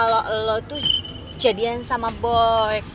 gue lebih suka kalau lo itu jadian sama boy